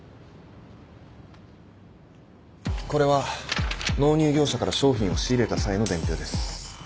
これは納入業者から商品を仕入れた際の伝票です。